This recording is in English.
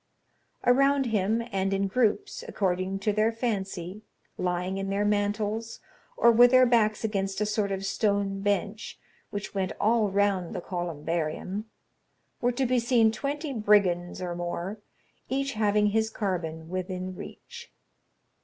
Around him, and in groups, according to their fancy, lying in their mantles, or with their backs against a sort of stone bench, which went all round the columbarium, were to be seen twenty brigands or more, each having his carbine within reach.